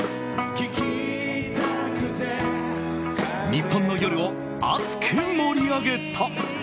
日本の夜を熱く盛り上げた。